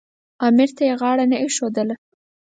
امر ته یې غاړه نه ایښودله.